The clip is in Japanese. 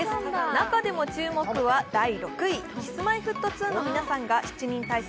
中でも注目は第６位、Ｋｉｓ−Ｍｙ−Ｆｔ２の皆さんが７人体制